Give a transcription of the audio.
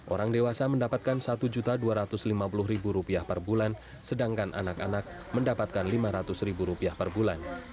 orang dewasa mendapatkan rp satu dua ratus lima puluh per bulan sedangkan anak anak mendapatkan rp lima ratus per bulan